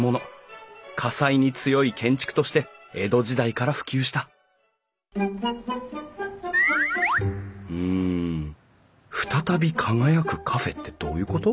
火災に強い建築として江戸時代から普及したうん「ふたたび輝くカフェ」ってどういうこと？